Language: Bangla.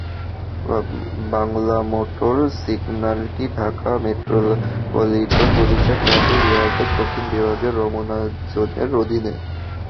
বাংলামোটর সিগন্যালটি ঢাকা মেট্রোপলিটন পুলিশের ট্রাফিক বিভাগের দক্ষিণ বিভাগের রমনা জোনের অধীনে।